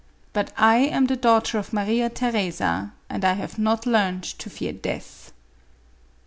But I am the daugh ter of Maria Theresa, and have not learned to fear death."